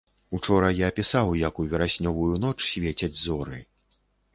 Учора я пісаў, як у вераснёвую ноч свецяць зоры.